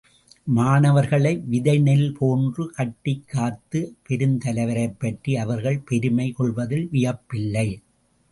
மாணவர்களை விதைநெல் போன்று கட்டிக் காத்த பெருத் தலைவரைப் பற்றி அவர்கள் பெருமை கொள்வதில் வியப்பில்லை.